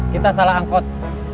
kita salah angkot